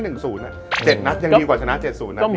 ๗นัดยังดีกว่าชนะ๗๐นะพี่